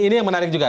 ini yang menarik juga